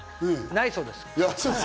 ないそうです。